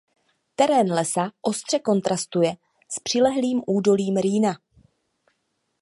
Terén lesa ostře kontrastuje s přilehlým údolím Rýna.